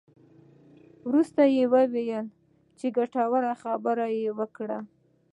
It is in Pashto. وروسته یې وویل چې ګټورې خبرې وکړې.